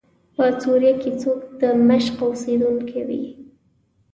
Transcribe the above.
په سوریه کې څوک د دمشق اوسېدونکی وي.